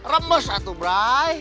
remes satu bray